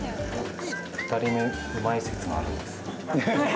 ２人目うまい説もあるんです。